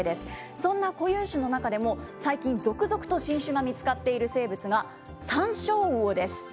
そんな固有種の中でも、最近、続々と新種が見つかっている生物がサンショウウオです。